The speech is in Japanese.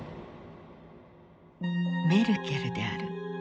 メルケルである。